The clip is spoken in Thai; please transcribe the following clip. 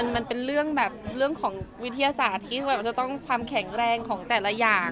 มันเป็นเรื่องกับวิทยาศาสตร์ความแข็งแรงของแต่ละอย่าง